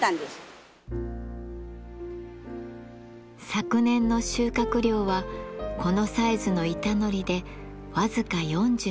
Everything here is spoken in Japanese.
昨年の収穫量はこのサイズの板海苔で僅か４２枚。